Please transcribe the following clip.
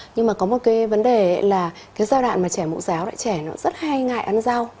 nhưng mà có một cái vấn đề là cái giai đoạn mà trẻ mẫu giáo lại trẻ nó rất hay ngại ăn rau